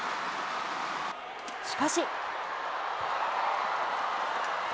しかし。